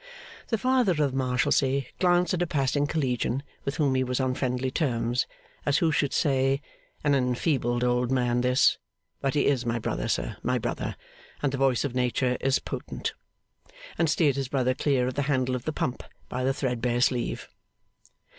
The Father of the Marshalsea glanced at a passing Collegian with whom he was on friendly terms, as who should say, 'An enfeebled old man, this; but he is my brother, sir, my brother, and the voice of Nature is potent!' and steered his brother clear of the handle of the pump by the threadbare sleeve.